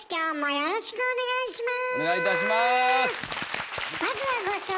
よろしくお願いします。